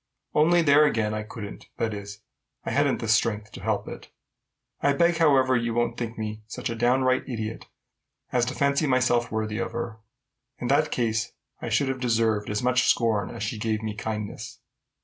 Only there again, I couldn't, that is, I hadn't the strength to help it. I beg, however, you won't think me such a downright idiot as to fancy myself worthy of her. In that case, I should have deserved as much scorn as she gave me kindness.